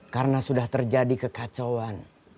karena sudah terjadi kekacauan